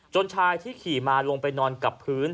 ชายที่ขี่มาลงไปนอนกับพื้น